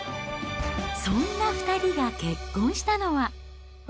そんな２人が結婚したのは。